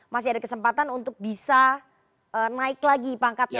masih ada kesempatan untuk bisa naik lagi pangkatnya